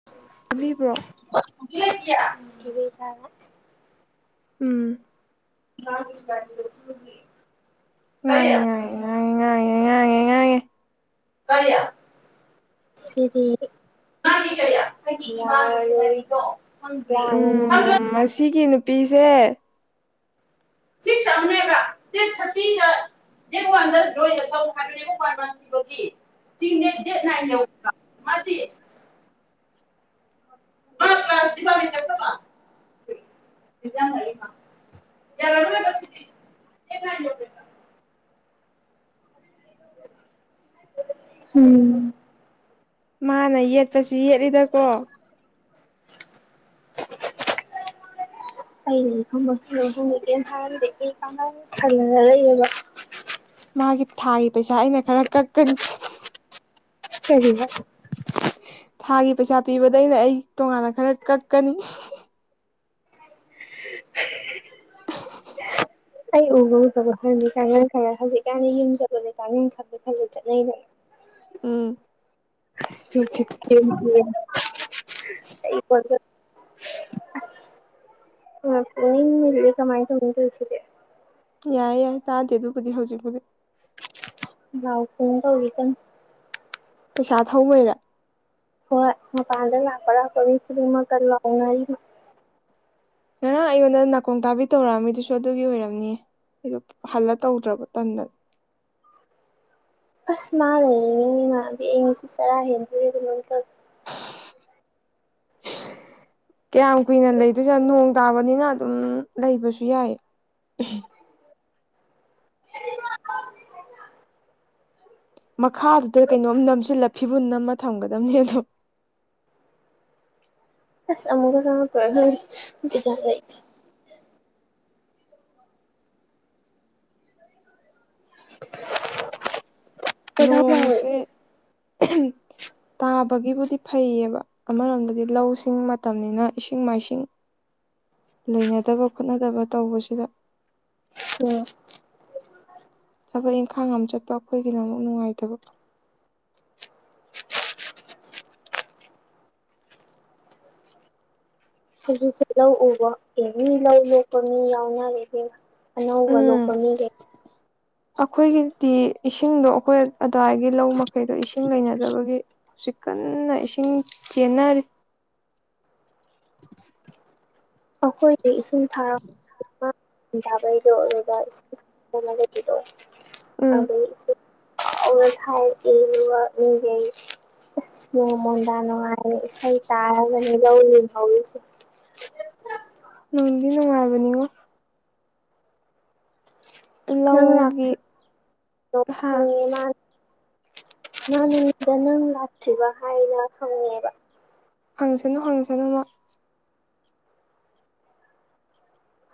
[inaudible] ꯑꯕꯤꯕ꯭ꯔꯣ [inaudible] ꯎꯝ ꯀꯔꯤ ꯉꯥꯡꯉꯦ ꯉꯥꯡꯉꯦ ꯉꯥꯡꯉꯦ ꯉꯥꯡꯉꯦ ꯉꯥꯡꯉꯦ ꯉꯥꯡꯉꯦ ꯀꯔꯤ ꯁꯤ [inaudible] ꯎꯝ ꯃꯁꯤꯒꯤ ꯅꯨꯄꯤꯁꯦ ꯐꯤꯛꯁ [inaudible] [inaudible] ꯆꯤꯡ ꯅꯦ ꯗꯅꯦ ꯃꯥꯗꯤ [inaudible] [inaudible] ꯖ ꯌꯥ [inaudible] ꯀꯥꯏ [inaudible] ꯎꯝ ꯃꯥꯅ ꯌꯦꯠꯄꯁꯤ ꯌꯦꯠꯂꯤꯗꯀꯣ [inaudible] ꯑꯩꯩꯅꯨꯝꯕꯜꯒꯨꯝꯒꯦꯅ ꯍꯥꯏꯔꯗꯤ ꯑꯩ ꯀ ꯈꯜꯂꯒ ꯂꯩꯌꯦꯕ [inaudible] ꯃꯥꯒꯤ ꯊꯥꯒꯤ ꯄꯩꯁꯥ ꯑꯩꯅ ꯈꯔ ꯀꯛꯀꯅꯤ ꯀꯔꯤꯕ ꯊꯥꯒꯤ ꯄꯩꯁꯥ ꯄꯤꯕꯗ ꯑꯩꯅ ꯑꯩ ꯇꯣꯉꯥꯟꯅ ꯈꯔ ꯀꯛꯀꯅꯤ ꯑꯩ ꯎꯕ ꯎꯗꯕ ꯈꯜꯦ ꯀꯥꯡꯈꯜ ꯈꯪꯂ ꯍꯧꯖꯤꯛꯀꯥꯟꯗꯤ ꯌꯨꯝ ꯆꯠꯄꯁꯦ ꯀꯥꯡꯈꯜ ꯈꯜꯂ ꯈꯜꯂ ꯆꯠꯅꯩꯗꯅ [inaudible] ꯎꯝ ꯁ ꯀ [inaudible] ꯑꯩ ꯑꯁ [inaudible] ꯌꯦꯒ ꯃꯥꯏꯇꯁꯤ [inaudible] ꯌꯥꯏ ꯌꯥꯏ ꯇꯥꯗꯦ ꯑꯗꯨꯕꯨꯗꯤ ꯍꯧꯖꯤꯛꯄꯨꯗꯤ ꯂꯥꯎ ꯐꯟ ꯇꯧꯔꯤ ꯀ ꯄꯩꯁꯥ ꯊꯧꯕꯩꯔ ꯍꯣꯏꯗ ꯂꯀ ꯄꯔꯤ ꯐꯔꯤ ꯃꯒ ꯂꯥꯎꯅꯔꯤ ꯅ ꯑꯩꯉꯣꯟꯗ ꯅꯥꯀꯣꯡ ꯇꯥꯕꯤ ꯇꯧꯔꯛꯑꯝꯃꯤꯗꯨꯁꯨ ꯑꯗꯨꯒꯤ ꯑꯣꯏꯔꯝꯅꯤꯌꯦ ꯑꯩꯗꯣ ꯍꯜꯂ ꯇꯧꯗ꯭ꯔꯕ ꯇꯟꯗꯅ ꯑꯁ ꯃꯥ ꯂꯩꯔꯤꯉꯅꯤ ꯃꯥꯕꯤ ꯑꯩ ꯉꯁꯤ ꯆꯔꯥ ꯍꯦꯟꯕꯤꯔꯒꯤꯛꯇ [inaudible] ꯀꯌꯥꯝ ꯀꯨꯏꯅ ꯂꯩꯗꯣꯏꯖꯦ ꯅꯣꯡ ꯇꯥꯕꯅꯤꯅ ꯑꯗꯨꯝ ꯂꯩꯕꯁꯨ ꯌꯥꯏ ꯃꯈꯥꯗꯨꯗ ꯀꯩꯅꯣꯝ ꯅꯝꯁꯤꯜꯂ ꯐꯤꯕꯨꯟ ꯑꯃ ꯊꯝꯒꯗꯕꯅꯤ ꯑꯗꯣ ꯑꯁ ꯑꯃꯨꯒ ꯁꯔꯖ ꯀꯣꯏꯂꯥꯎ ꯂꯥꯎꯋꯦ ꯅꯣꯡꯁꯦ ꯇꯥꯕꯒꯤꯕꯨꯗꯤ ꯐꯩꯌꯦꯕ ꯑꯃꯔꯣꯝꯗꯗꯤ ꯂꯧꯁꯤꯡ ꯃꯇꯝꯅꯤꯅ ꯏꯁꯤꯡ ꯃꯥꯏꯁꯤꯡ ꯂꯩꯅꯗꯕ ꯈꯣꯠꯅꯗꯕ ꯇꯧꯕꯁꯤꯗ ꯎꯝ ꯊꯕꯛ ꯏꯪꯈꯥꯡ ꯑꯃ ꯆꯠꯄ ꯑꯩꯈꯣꯏꯒꯤꯅ ꯑꯃꯨꯛ ꯅꯨꯡꯉꯥꯏꯇꯕ [unintelligible] ꯂꯧ ꯎꯕ ꯑꯦꯅꯤ ꯂꯧ ꯌꯦꯛꯄ ꯃꯤ ꯌꯥꯎꯅꯔꯦ ꯏꯕꯦꯝꯃ ꯑꯅꯧꯕ ꯂꯣꯛꯄ ꯃꯤ ꯒꯩ ꯑꯩꯈꯣꯏꯒꯤ ꯇꯤ ꯏꯁꯤꯡꯗꯣ ꯑꯩꯈꯣꯏ ꯑꯗꯨꯋꯥꯏꯒꯤ ꯂꯧ ꯃꯈꯩꯗꯣ ꯏꯁꯤꯡ ꯂꯩꯅꯗꯕꯒꯤ ꯍꯧꯖꯤꯛ ꯀꯟꯅ ꯏꯁꯤꯡ ꯆꯦꯟꯅꯔꯤ [inaudible] ꯑꯩꯈꯣꯏꯗꯤ ꯏꯁꯤꯡ ꯊꯥꯔꯛ ꯄ ꯗꯥꯕꯩꯗ [unintelligible] ꯆꯥꯎꯅ ꯎꯝ ꯊꯥꯔꯛꯑꯦ ꯑꯗꯨꯒ ꯃꯤꯒꯩ ꯏꯁ ꯅꯣꯡꯃꯣꯟꯗ ꯅꯨꯡꯉꯥꯏꯔꯦ ꯏꯁꯩ ꯇꯥꯔꯒꯅꯦ ꯂꯧ ꯂꯤꯡꯍꯧꯔꯤꯁꯦ ꯅꯨꯡꯗꯤ ꯅꯨꯡꯉꯥꯏꯕꯅꯤꯉꯣ ꯅꯪ ꯂꯧꯒꯤ ꯂꯚꯇꯔꯤ ꯅꯣ ꯍꯥ ꯍꯪꯉꯛꯏ ꯃꯥꯅ ꯅꯪꯗ ꯅꯪ ꯂꯥꯛꯇ꯭ꯔꯤꯕ ꯍꯥꯏꯅ ꯍꯪꯉꯦꯕ ꯍꯪꯁꯅꯨ ꯍꯪꯁꯅꯨ ꯃꯣꯏ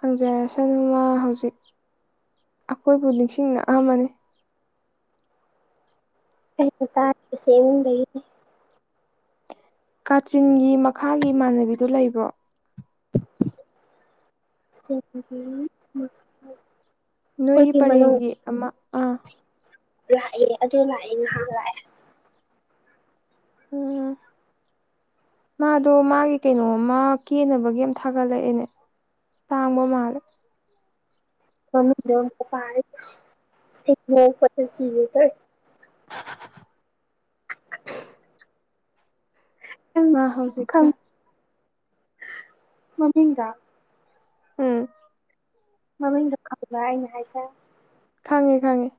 ꯍꯪꯖꯔꯁꯅꯨ ꯃꯥ ꯍꯧꯖꯤꯛ ꯑꯩꯈꯣꯏꯕꯨ ꯅꯤꯡꯁꯤꯡꯅꯛꯑꯃꯅꯤ ꯑꯩꯅ ꯇꯥꯔꯤꯕꯁꯤ ꯏꯃꯨꯡꯗꯒꯤꯅꯤ ꯀꯥꯆꯤꯟꯒꯤ ꯃꯈꯥꯒꯤ ꯏꯃꯥꯟꯅꯕꯤꯗꯨ ꯂꯩꯕ꯭ꯔꯣ [inaudible] ꯁꯤꯟꯒꯤ ꯃ [inaudible] ꯅꯣꯏꯒꯤ ꯄꯔꯦꯡꯒꯤ ꯑꯃ ꯑꯥ ꯂꯥꯛꯑꯦ ꯑꯗꯨ ꯂꯥꯛꯑꯦ ꯉꯥꯏꯍꯥꯛ ꯂꯥꯛꯑꯦ ꯎꯝ ꯃꯥꯗꯣ ꯃꯥꯒꯤ ꯀꯩꯅꯣꯝꯃ ꯀꯦꯅꯕꯒꯤ ꯑꯝ ꯊꯥꯒꯠꯂꯛꯑꯦꯅꯦ ꯇꯥꯡꯕ ꯃꯥꯜꯂꯦ [unintelligible] ꯑꯩ ꯅꯣꯛꯄꯗ ꯁꯤꯒꯦ ꯇꯧꯋꯦ [unintelligible] ꯃꯥ ꯍꯧꯖꯤꯛꯀ ꯈꯪ ꯃꯃꯤꯡꯗ ꯎꯝ ꯃꯃꯤꯡꯗꯣ ꯈꯕ꯭ꯔ ꯑꯩꯅ ꯍꯥꯏꯁꯦ ꯈꯪꯉꯦ ꯈꯪꯉꯦ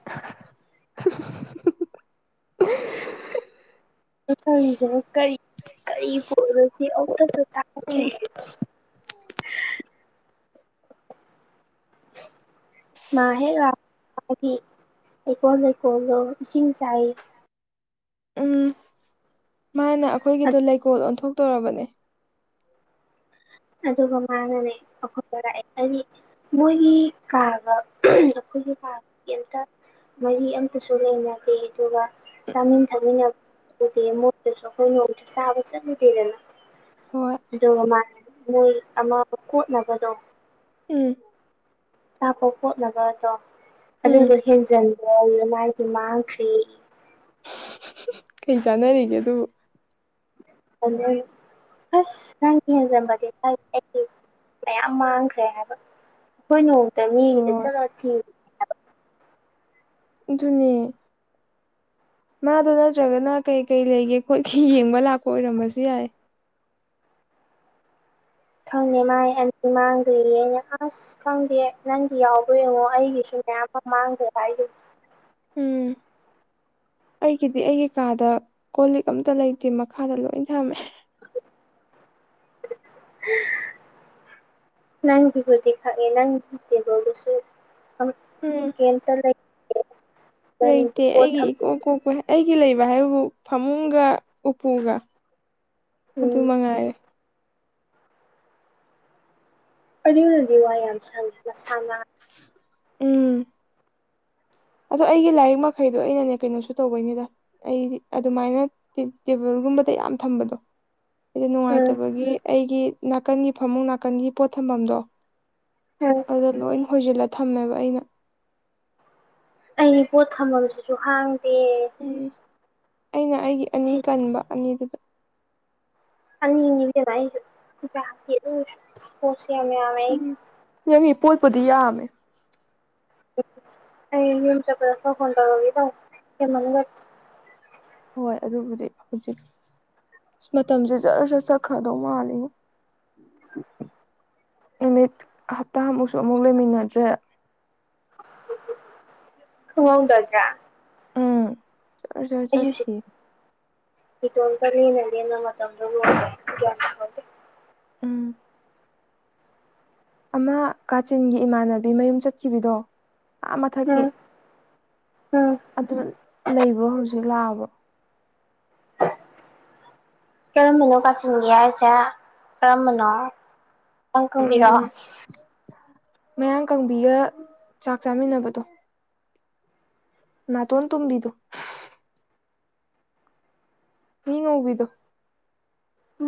[unintelligible] ꯑꯝꯇ ꯍꯪꯁꯤꯔ ꯀꯔꯤ ꯀꯔꯤ ꯄꯣꯠꯅꯣꯁꯤ ꯑꯃꯨꯛꯇꯁꯨ ꯎꯝ ꯇꯥꯗꯔꯤ [unintelligible] ꯃꯥ ꯑꯁ ꯍꯦ ꯂꯥ ꯄꯒꯗꯤ ꯍꯩꯀꯣꯜ ꯂꯩꯀꯣꯜꯂꯣ ꯏꯁꯤꯡ ꯆꯥꯏ ꯎꯝ ꯃꯥꯅ ꯑꯩꯈꯣꯏꯒꯤꯗꯣ ꯂꯩꯀꯣꯜ ꯑꯣꯟꯊꯣꯛꯇꯣꯔꯕꯅꯦ ꯑꯗꯨꯒ ꯃꯥꯅꯅꯦ ꯑꯐꯕ ꯂꯥꯛꯑꯦ [unintelligible] ꯃꯣꯏꯒꯤ ꯀꯥꯒ ꯑꯩꯈꯣꯏꯒꯤ ꯀꯥꯒ ꯀꯦꯝꯇ ꯃꯔꯤ ꯑꯝꯇꯁꯨ ꯂꯩꯅꯗꯦ ꯑꯗꯨꯒ ꯆꯥꯃꯤꯟ ꯊꯛꯃꯤꯟꯅꯕꯕꯨꯗꯤ ꯃꯣꯏꯗꯁꯨ ꯑꯩꯈꯣꯏ ꯅꯣꯡꯇ ꯆꯥꯕ ꯆꯠꯂꯨꯗꯦꯗꯅ ꯍꯣꯏ ꯑꯗꯨꯒꯥ ꯃꯥꯅ ꯃꯣꯏ ꯑꯃ ꯀꯣꯠꯅꯕꯗꯣ ꯎꯝ ꯆꯥꯛꯀ ꯀꯣꯠꯅꯕꯗꯣ ꯎꯝ ꯑꯗꯨꯗꯣ ꯍꯦꯟꯖꯟꯕ꯭ꯔꯌꯦ ꯃꯥꯏꯗꯤ ꯃꯥꯡꯈ꯭ꯔꯦ ꯀꯩ ꯆꯥꯟꯅꯔꯤꯒꯦ ꯑꯗꯨꯕꯨ [unintelligible] ꯑꯁ ꯅꯪꯒꯤ ꯍꯦꯟꯖꯟꯕꯗꯤ [unintelligible] ꯑꯩꯒꯤ ꯃꯌꯥꯝ ꯃꯥꯡꯈ꯭ꯔꯦ ꯍꯥꯏꯕ ꯑꯩꯈꯣꯏ ꯅꯣꯡꯃꯇꯥ ꯃꯤꯒꯤꯗ ꯍꯣꯏ ꯆꯠꯂꯥ ꯊꯤ ꯑꯗꯨꯨꯅꯦ ꯃꯥꯗꯣ ꯅꯠꯇ꯭ꯔꯒꯅ ꯀꯩ ꯀꯩ ꯂꯩꯒꯦ ꯈꯣꯠꯀꯦ ꯌꯦꯡꯕ ꯂꯥꯛꯄ ꯑꯣꯏꯔꯝꯕꯁꯨ ꯌꯥꯏ ꯈꯪꯉꯦ ꯃꯥꯏ ꯑꯟꯅꯤ ꯃꯥꯡꯒꯔꯦꯌꯦ ꯑꯩꯅꯥ ꯑꯁ ꯑꯁ ꯈꯪꯗꯦ ꯅꯪꯒꯤ ꯌꯥꯎꯕꯔ ꯌꯦꯡꯉꯣ ꯑꯩꯒꯤꯁꯨ ꯃꯌꯥꯝ ꯑꯃ ꯃꯥꯡꯒꯔꯦ ꯍꯥꯏꯒꯤ ꯎꯝ ꯑꯩꯒꯤꯗꯤ ꯑꯩꯒꯤ ꯀꯥꯗ ꯀꯣꯜꯂꯤꯛ ꯑꯝꯇ ꯂꯩꯇꯦ ꯃꯈꯥꯗ ꯂꯣꯏ ꯊꯝꯃꯦ [inaudible] [inaudible] ꯅꯪꯒꯤꯕꯨꯗꯤ ꯈꯪꯉꯦ ꯅꯪꯒꯤ ꯇꯦꯕꯜꯗꯨꯁꯨ ꯎꯝ ꯌꯥꯝ ꯇꯜꯂꯥ [unintelligible] ꯂꯩꯇꯦ ꯑꯩꯒꯤ ꯏꯀꯣꯛ ꯀꯣꯛꯄꯦꯍꯦ ꯑꯩꯒꯤ ꯂꯩꯕ ꯍꯥꯏꯕꯕꯨ ꯐꯃꯨꯡꯒ ꯎꯄꯨꯒ ꯑꯗꯨ ꯎꯝ ꯃꯉꯥꯏꯔꯦ ꯑꯗꯨꯅꯗꯤ ꯋꯥꯏ ꯌꯥꯝ ꯁꯪꯉꯤ ꯅꯥꯁꯅꯥꯟ ꯎꯝ ꯑꯗꯣ ꯑꯩꯒꯤ ꯂꯥꯏꯔꯤꯛ ꯃꯈꯩꯗꯣ ꯑꯩꯅꯅꯦ ꯀꯩꯅꯣꯁꯨ ꯇꯧꯕꯩꯅꯤꯗ ꯑꯩꯗꯤ ꯑꯗꯨꯃꯥꯏꯅ ꯇꯦꯕꯜꯒꯨꯝꯕꯗ ꯌꯥꯝ ꯊꯝꯕꯗꯣ ꯑꯩꯗꯣ ꯎꯝ ꯅꯨꯡꯉꯥꯏꯇꯕꯒꯤ ꯑꯩꯒꯤ ꯅꯥꯀꯟꯒꯤ ꯐꯃꯨꯡ ꯅꯥꯀꯟꯒꯤ ꯄꯣꯠ ꯊꯝꯐꯝꯗꯣ ꯎꯝ ꯑꯗꯨꯗ ꯂꯣꯏ ꯍꯣꯏꯖꯤꯜꯂ ꯊꯝꯃꯦꯕ ꯑꯩꯅ ꯑꯩꯒꯤ ꯄꯣꯠ ꯊꯝꯃꯝꯁꯤꯁꯨ ꯍꯥꯡꯗꯦ ꯑꯩꯅ ꯑꯩꯒꯤ ꯑꯅꯤ ꯁꯤ ꯀꯟꯕ ꯑꯅꯤꯗꯨꯗ ꯑꯅꯤ ꯑꯅꯤ ꯀꯃꯥꯏꯅꯥ ꯈꯨꯀꯥꯛꯇꯤ ꯀꯣꯛꯁꯦ ꯌꯥꯝ ꯉꯥꯎꯔꯦ ꯎꯝ ꯅꯪꯒꯤ ꯄꯣꯠꯄꯨꯗꯤ ꯌꯥꯝꯃꯦ ꯑꯩ ꯌꯨꯝ ꯆꯄꯗ ꯀꯣꯛ ꯐꯣꯟ ꯇꯔꯛꯑꯥꯒꯦꯀꯣ ꯍꯦꯟꯃꯜꯂꯦ ꯍꯣꯏ ꯑꯗꯨꯕꯨꯗꯤ ꯍꯧꯖꯤꯛ ꯃꯇꯝꯁꯦ ꯖꯔ ꯖꯔ ꯆꯠꯈ꯭ꯔꯗꯧ ꯃꯥꯜꯂꯤꯉꯣ ꯅꯨꯃꯤꯠ ꯍꯞꯇꯥꯃꯨꯛꯁꯨ ꯑꯃꯨꯛ ꯂꯩꯃꯤꯟꯅꯗ꯭ꯔꯦ ꯈꯪꯍꯧꯗꯥꯏꯅꯦ ꯎꯝ ꯖꯔ ꯖꯔ ꯑꯌꯨꯁꯤ ꯆꯠꯈꯤ ꯏꯇꯣꯝꯇꯅꯤꯅꯥ ꯂꯦꯟꯅ ꯃꯇꯝꯗꯕꯨ ꯒꯌ꯭ꯥꯟ ꯎꯝ ꯑꯃ ꯀꯥꯆꯤꯟꯒꯤ ꯏꯃꯥꯟꯅꯕꯤ ꯃꯌꯨꯝ ꯆꯠꯈꯤꯕꯗꯣ ꯑꯥ ꯃꯊꯛꯀꯤ ꯎꯝ ꯎꯝ ꯑꯗꯨ ꯂꯩꯕ꯭ꯔꯣ ꯍꯧꯖꯤꯛ ꯂꯥꯛꯑꯕꯣ ꯀꯔꯝꯕꯅꯣ ꯀꯆꯤꯟꯒꯤ ꯍꯥꯏꯁꯦ ꯀꯔꯝꯕꯅꯣ ꯑꯧ ꯀꯪꯕꯤꯔꯣ ꯎꯝ ꯃꯌꯥꯡ ꯀꯪꯕꯤꯒ ꯆꯥꯛ ꯆꯥꯃꯤꯟꯅꯕꯗꯣ ꯅꯇꯣꯟ ꯇꯨꯝꯕꯤꯗꯨ ꯃꯤ ꯉꯧꯕꯤꯗꯣ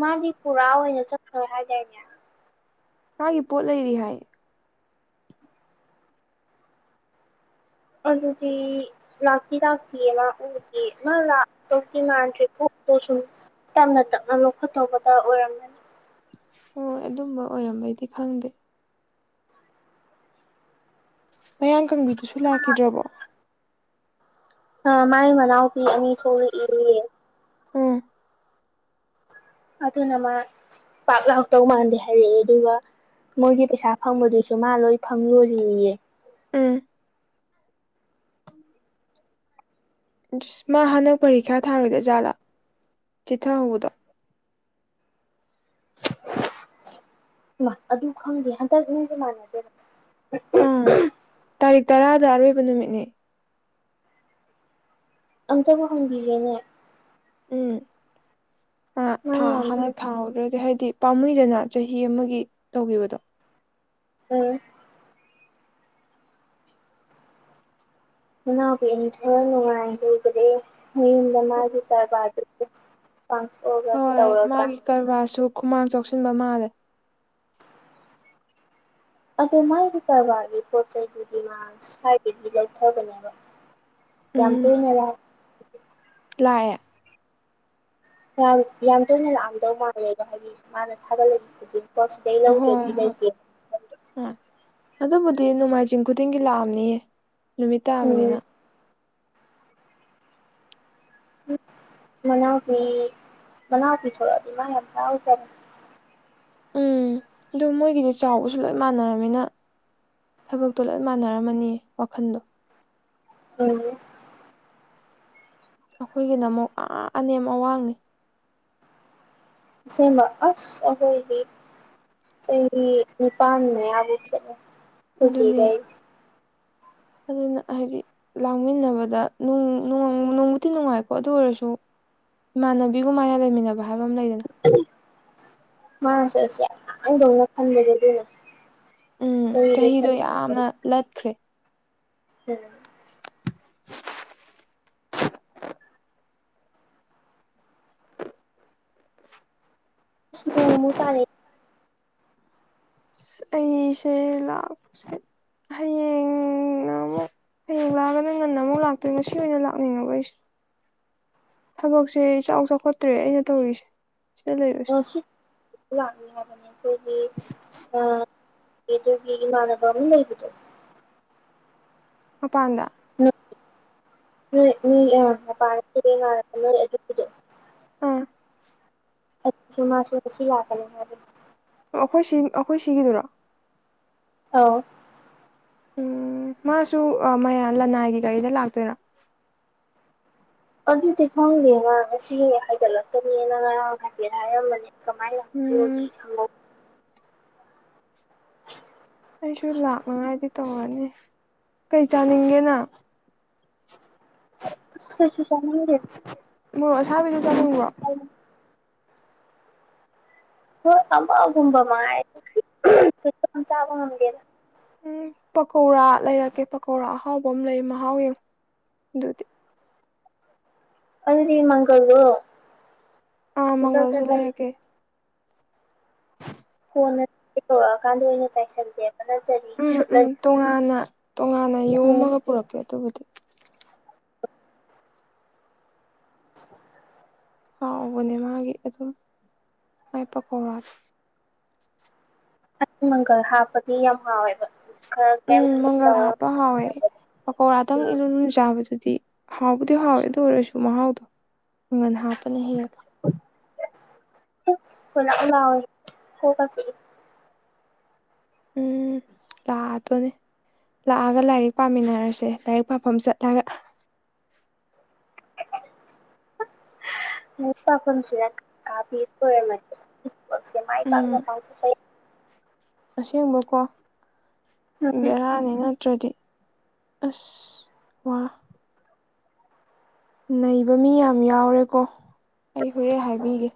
ꯃꯥꯗꯤ ꯄꯨꯔꯥ ꯑꯣꯏꯅ ꯆꯠꯈꯔ꯭ꯦ ꯍꯥꯏꯗꯥꯏꯅꯦ ꯃꯥꯒꯤ ꯄꯣꯠ ꯂꯩꯔꯤ ꯍꯥꯏ ꯑꯗꯨꯗꯤ ꯂꯥꯛꯇꯤ ꯂꯥꯛꯇꯤꯌꯦ ꯂꯥꯛꯄꯥ ꯎꯗꯤꯌꯦ ꯃꯥ ꯂꯥꯀꯇꯧꯗꯤ ꯃꯥꯟꯗꯔ꯭ꯦꯕꯨ ꯑꯩ ꯁꯨꯝ ꯇꯞꯅꯥ ꯇꯞꯅꯥ ꯂꯧꯐꯨꯠ ꯇꯧꯕꯒꯥ ꯑꯣꯏꯔꯝꯅꯤ ꯍꯣꯏ ꯑꯗꯨꯝꯕ ꯑꯣꯏꯔꯝꯕꯩꯗꯤ ꯈꯪꯗꯦ ꯃꯌꯥꯡ ꯀꯪꯕꯤꯗꯨꯁꯨ ꯂꯥꯛꯈꯤꯗ꯭ꯔꯕꯣ ꯑ ꯃꯥꯏ ꯃꯅꯥꯎꯄꯤ ꯑꯅꯤ ꯊꯣꯛꯂꯛꯏ ꯎꯝ ꯑꯗꯨꯅ ꯃꯥ ꯄꯥꯛ ꯂꯍꯧꯗꯧ ꯃꯥꯟꯗꯦ ꯍꯥꯏꯔꯛꯑꯦ ꯑꯗꯨꯒ ꯃꯣꯏꯒꯤ ꯄꯩꯁꯥ ꯐꯪꯕꯗꯨꯁꯨ ꯃꯥ ꯂꯣꯏ ꯐꯪꯂꯣꯔꯤꯌꯦ ꯎꯝ ꯃꯥ ꯍꯟꯗꯛ ꯄꯔꯤꯈ꯭ꯌꯥ ꯊꯥꯔꯣꯏꯗꯣꯏ ꯖꯥꯠꯂꯥ ꯆꯤꯊꯍꯧꯕꯗꯣ ꯑꯗꯨ ꯈꯪꯗꯦ ꯍꯟꯗꯛ ꯅꯣꯏꯁꯦ ꯃꯥꯟꯅꯗꯦ ꯎꯝ ꯇꯥꯔꯤꯛ ꯇꯔꯥꯗ ꯑꯔꯣꯏꯕ ꯅꯨꯃꯤꯠꯅꯦ ꯑꯝꯇꯕꯨ ꯍꯪꯕꯤꯒꯦꯅꯦ ꯎꯝ ꯑ ꯃꯥ ꯊꯥ ꯌꯥꯝ ꯍꯥꯏ ꯊꯥꯗ꯭ꯔꯗꯤ ꯍꯥꯏꯗꯤ ꯄꯥꯝꯃꯩꯗꯅ ꯆꯍꯤ ꯑꯃꯒꯤ ꯇꯧꯈꯤꯕꯗꯣ ꯎꯝ ꯃꯅꯥꯎꯕꯨ ꯑꯅꯤ ꯊꯣꯛꯣꯏꯅ ꯅꯨꯡꯉꯥꯏꯅ ꯑꯣꯏꯖꯔꯑꯦ ꯃꯌꯨꯝꯗ ꯃꯥꯒꯤ ꯀꯔꯕꯥꯔꯗꯨ ꯐꯪꯁꯒ ꯍꯣꯏ ꯇꯧꯔꯗ꯭ꯔꯥ ꯃꯥꯒꯤ ꯀꯔꯕꯥꯔꯁꯨ ꯈꯨꯃꯥꯡ ꯆꯥꯎꯁꯤꯟꯕ ꯃꯥꯜꯂꯦ ꯑꯗ ꯃꯥꯒꯤ ꯀꯔꯕꯥꯔꯒꯤ ꯄꯣꯠ ꯆꯩꯗꯨꯗꯤ ꯃꯥ ꯁ꯭ꯋꯥꯏꯗꯗꯤ ꯂꯧꯊꯕꯅꯦꯕ ꯎꯝ ꯌꯥꯝꯇ ꯃꯔ ꯂꯥꯛꯑꯦ ꯌꯥꯝ ꯌꯥꯝ ꯇꯣꯏꯅ ꯂꯥꯛꯑꯝꯗꯧ ꯃꯥꯜꯂꯦꯕ ꯍꯥꯏꯗꯤ ꯃꯥꯅ ꯊꯥꯒꯠꯂꯛꯕ ꯈꯨꯗꯤꯡ ꯍꯣꯏ ꯍꯣꯏ ꯑ ꯑꯗꯨꯕꯨꯗꯤ ꯅꯣꯡꯃꯥꯏꯖꯤꯡ ꯈꯨꯗꯤꯡꯒꯤ ꯂꯥꯛꯑꯝꯅꯤꯌꯦ ꯅꯨꯃꯤꯠ ꯇꯥꯕꯅꯤꯅ ꯎꯝ ꯃꯅꯥꯎꯄꯤ ꯃꯅꯥꯎꯄꯤ ꯊꯣꯛꯛꯑꯗꯤ ꯃꯥ ꯌꯥꯝ ꯍꯔꯖꯕꯅꯦ ꯎꯝ ꯑꯗꯨꯗ ꯃꯣꯏꯒꯤꯗꯤ ꯆꯥꯎꯕꯁꯨ ꯂꯣꯏ ꯃꯥꯟꯅꯔꯃꯤꯅ ꯊꯕꯛꯇꯣ ꯂꯣꯏ ꯃꯥꯟꯅꯔꯝꯃꯅꯤꯌꯦ ꯋꯥꯈꯟꯗꯣ ꯎꯝ ꯑꯩꯈꯣꯏꯒꯤꯗ ꯑꯃꯨꯛ ꯑꯅꯦꯝ ꯑꯋꯥꯡꯅꯤ ꯁꯃ ꯑꯁ ꯑꯩꯈꯣꯏꯗꯤ ꯆꯍꯤ ꯅꯤꯄꯥꯟ ꯃ ꯑꯒꯨ ꯆꯂ ꯑꯗꯨꯅꯦ ꯄꯨꯖꯤꯒ ꯑꯗꯨꯅ ꯍꯥꯏꯗꯤ ꯂꯥꯡꯃꯤꯟꯅꯕꯗ ꯅꯣꯡꯕꯨꯗꯤ ꯅꯨꯡꯉꯥꯏꯀꯣ ꯑꯗꯨ ꯑꯣꯏꯔꯁꯨ ꯏꯃꯥꯟꯅꯕꯤꯒꯨꯝ ꯃꯅ ꯂꯩꯃꯤꯟꯅꯕ ꯍꯥꯏꯕ ꯑꯃ ꯂꯩꯗꯅ ꯃꯥꯁꯦꯁ ꯑꯩꯗꯧꯅ ꯈꯟꯕꯗꯨ ꯑꯗꯨꯅꯦ ꯎꯝ ꯆꯍꯤꯗꯣ ꯌꯥꯝꯅ ꯂꯠꯈ꯭ꯔꯦ [unintelligible] [inaudible] [inaudible] ꯅꯨꯃꯨ ꯇꯥꯔ ꯑꯩꯁꯦ ꯂ ꯍꯌꯦꯡ ꯑꯃꯨꯛ ꯍꯌꯦꯡ ꯂꯥꯛꯑꯒꯅ ꯉꯟꯅ ꯑꯃꯨꯛ ꯂꯥꯛꯇꯣꯏ ꯉꯁꯤ ꯑꯣꯏꯅ ꯂꯥꯛꯅꯤꯡꯉꯕ ꯑꯩꯁꯦ ꯊꯕꯛꯁꯦ ꯆꯥꯎ ꯆꯥꯎꯈꯠꯇ꯭ꯔꯦ ꯑꯩꯅ ꯇꯧꯔꯤꯁꯦ ꯁꯤꯗ ꯂꯩꯕ ꯂꯥꯛ ꯍꯥꯏꯕꯅꯤ ꯑꯩꯈꯣꯏꯒꯤ ꯑꯗꯨ ꯃꯥꯅꯕ ꯂꯩꯕꯗ ꯃꯄꯗ [inaudible] [unintelligible] ꯎꯥ ꯑꯗꯨꯁꯨ ꯃꯥꯁꯨ ꯑꯁꯤ ꯌꯥꯒꯅꯤ ꯍꯥꯏꯕꯅꯤ ꯑꯩꯈꯣꯏ ꯁꯤ ꯑꯩꯈꯣꯏ ꯁꯤꯒꯤꯗꯣꯏꯔꯣ ꯑꯧ ꯎꯝ ꯃꯥꯁꯨ ꯃꯌꯥꯝ ꯂꯅꯥꯏꯒꯤ ꯒꯥꯔꯤꯗ ꯂꯥꯛꯇꯣꯏꯔꯣ ꯑꯗꯨꯗꯤ ꯈꯪꯗꯦꯅ ꯉꯁꯤ ꯍꯥꯏꯒꯠꯂꯛꯀꯅꯤꯅ ꯉꯔꯥꯡ ꯍꯥꯏꯐꯦꯠ ꯍꯥꯏꯔꯝꯕꯅꯦ ꯀꯃꯥꯏꯅ ꯂꯥꯛꯣꯗꯤ ꯎꯝ ꯍꯪꯍ ꯑꯩꯁꯨ ꯂꯥꯛꯅꯉꯥꯏꯗꯤ ꯇꯧꯔꯅꯤ ꯀꯩ ꯆꯥꯅꯤꯡꯒꯦꯅ [unintelligible] ꯃ ꯆꯥꯕꯤ ꯆꯣ ꯍꯣꯏ ꯑꯃꯒꯨꯝꯕ ꯃꯥ ꯆꯥꯕ ꯉꯝꯒꯦꯅ ꯎꯝ ꯄꯀꯧꯔꯥ ꯂꯩꯔꯛꯀꯦ ꯄꯀꯧꯣꯔꯥ ꯑꯍꯥꯎꯕ ꯑꯃ ꯂꯩ ꯃꯍꯥꯎ ꯌꯦꯡꯉ ꯑꯗꯨꯗꯤ ꯑꯜꯔꯤ ꯃꯪꯜ ꯑꯥ ꯃꯪꯜꯁꯨꯗꯀꯦ ꯀꯣꯟꯅ ꯌꯧꯔꯛꯑꯀꯥꯟꯗ ꯑꯣꯏꯅ ꯆꯥꯏꯁꯟꯁꯦ ꯍꯠꯅꯖꯔꯤ ꯎꯝ ꯎꯝ ꯁꯨꯠꯂꯅꯤ ꯇꯣꯉꯥꯟꯅ ꯇꯣꯉꯥꯟꯅ ꯎꯝ ꯌꯣꯝꯃꯒ ꯄꯨꯔꯛꯀꯦ ꯑꯗꯨꯕꯨꯗꯤ [inaudible] ꯍꯥꯎꯕꯅꯦ ꯃꯥꯒꯤ ꯑꯗꯨꯝ ꯑ ꯄ ꯀꯧꯔꯛ ꯑ ꯃꯪꯒꯜ ꯍꯥꯞꯄꯗꯤ ꯌꯥꯝ ꯍꯥꯎꯋꯦꯕ ꯈꯔ ꯀꯦꯝ ꯎꯝ ꯃꯪꯒꯜ ꯇꯧꯔ ꯍꯥꯞꯄ ꯍꯥꯎꯋꯦ ꯄꯀꯧꯔꯥꯗꯪ ꯎꯝ ꯏꯂꯨ ꯂꯨ ꯆꯥꯕꯗꯨꯗꯤ ꯍꯥꯎꯕꯨꯗꯤ ꯍꯥꯎꯋꯦ ꯑꯗꯨ ꯑꯣꯏꯔꯁꯨ ꯃꯍꯥꯎꯗꯣ ꯃꯪꯒꯟ ꯍꯥꯞꯄꯅ ꯍꯦꯜꯂꯗꯣ ꯍ ꯂꯑꯣꯏ ꯍ ꯀꯁꯤ ꯎꯝ꯫ ꯂꯥꯛꯑꯗꯣꯅꯦ ꯂꯥꯛꯑꯒ ꯂꯥꯏꯔꯤꯛ ꯄꯥꯃꯤꯟꯅꯔꯁꯦ ꯂꯥꯏꯔꯤꯛ ꯄꯥꯐꯝ ꯆꯠꯂꯒ꯫ ꯑꯩ ꯄꯥꯈꯨꯝꯁꯤꯗ ꯀꯥ ꯄꯤꯕ ꯑꯣꯢꯔꯝꯃꯗꯤ ꯊꯥꯕꯥꯛꯁꯦ ꯄꯥꯏ ꯎꯝ ꯄꯥꯛꯅ ꯄꯥꯡꯊꯣꯛꯄ ꯑꯁꯦꯡꯕꯀꯣ ꯌꯥ ꯎꯝ ꯕꯦꯔꯥꯅꯤ ꯅꯠꯇ꯭ꯔꯗꯤ꯫ ꯑꯁ ꯋꯥ꯫ ꯅꯩꯕ ꯃꯤ ꯌꯥꯝ ꯌꯥꯎꯔꯦꯀꯣ ꯑꯩ ꯍꯣꯔꯦꯟ ꯍꯥꯏꯕꯤꯒꯦ꯫